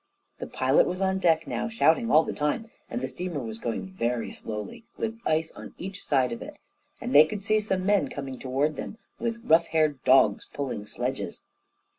The pilot was on deck now, shouting all the time, and the steamer was going very slowly, with ice on each side of it, and they could see some men coming toward them, with rough haired dogs pulling sledges.